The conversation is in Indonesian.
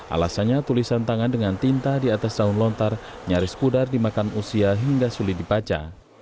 alasannya tulisan tangan dengan tinta di atas daun lontar nyaris pudar dimakan usia hingga sulit dibaca